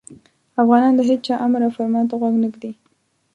افغانان د هیچا امر او فرمان ته غوږ نه ږدي.